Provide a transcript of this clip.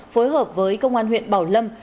phối hợp với công an huyện bảo lâm